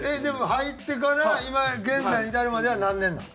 でも入ってから今現在に至るまでは何年なん？